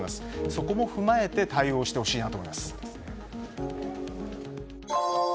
そこも踏まえて対応してほしいなと思います。